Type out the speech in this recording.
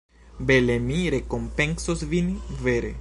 Bele mi rekompencos vin, vere!